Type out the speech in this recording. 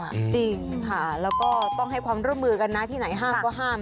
จริงค่ะแล้วก็ต้องให้ความร่วมมือกันนะที่ไหนห้ามก็ห้าม